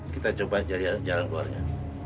kita coba jalan keluarnya